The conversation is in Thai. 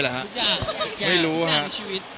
ทุกอย่างทุกอย่างทุกอย่างในชีวิต